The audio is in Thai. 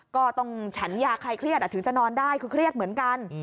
ก็ต้องฉันยาใครเครียดถึงจะนอนได้คือเครียดเหมือนกัน